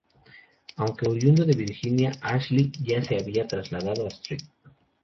Aunque oriundo de Virginia, Ashley ya se había trasladado a St.